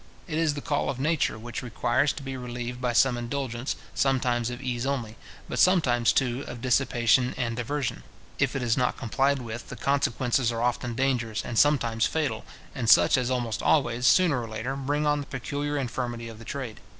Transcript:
It is the call of nature, which requires to be relieved by some indulgence, sometimes of ease only, but sometimes too of dissipation and diversion. If it is not complied with, the consequences are often dangerous and sometimes fatal, and such as almost always, sooner or later, bring on the peculiar infirmity of the trade.